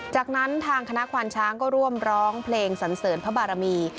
จากนั้นทางคณะควานช้างก็ร่วมร้องเพลงสันเสริญพระบารมี